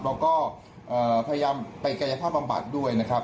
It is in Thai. เราก็พยายามไปกายภาพบำบัดด้วยนะครับ